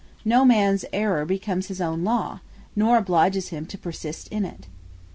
No mans error becomes his own Law; nor obliges him to persist in it.